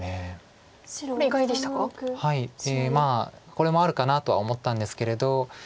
これもあるかなとは思ったんですけれど。